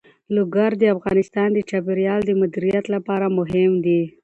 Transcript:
لوگر د افغانستان د چاپیریال د مدیریت لپاره مهم دي.